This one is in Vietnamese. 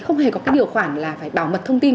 không hề có điều khoản bảo mật thông tin